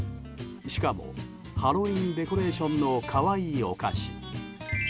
しかもハロウィーンデコレーションの可愛いお菓子。